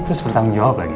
terus bertanggung jawab lagi